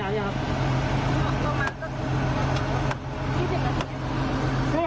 อะไรคะ